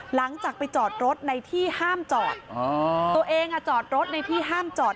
หลังจากไปจอดรถในที่ห้ามจอด